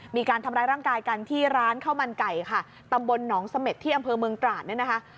มีการทำร้ายร่างกายกันที่ร้านข้าวมันไก่ค่ะตำบลหนองเสม็ดที่อำเภอเมืองตราดเนี่ยนะคะ